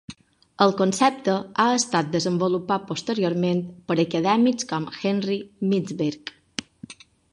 El concepte ha estat desenvolupat posteriorment per acadèmics com Henry Mintzberg.